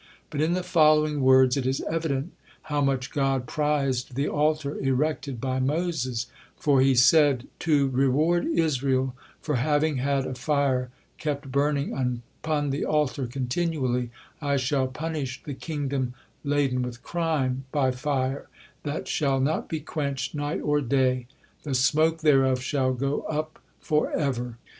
But in the following words it is evident how much God prized the altar erected by Moses, for He said: "To reward Israel for having had 'a fire kept burning upon the altar continually,' I shall punish 'the kingdom laden with crime' by fire 'that shall not be quenched night or day; the smoke thereof shall go up forever.'"